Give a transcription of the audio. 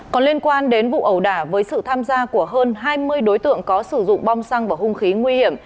còn liên quan đến vụ ẩu đả với sự tham gia của hơn hai mươi đối tượng có sử dụng bom xăng và hung khí nguy hiểm